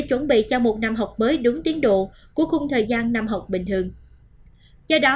chuẩn bị cho một năm học mới đúng tiến độ của khung thời gian năm học bình thường do đó